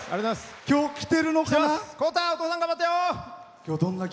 今日、来てるのかな？